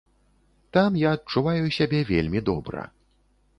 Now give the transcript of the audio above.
Там я адчуваю сябе вельмі добра.